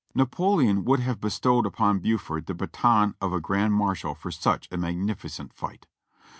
Napoleon would have bestowed upon Buford the baton of a grand marshal for such a magnificent fight.